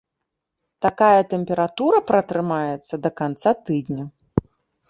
Такая тэмпература пратрымаецца да канца тыдня.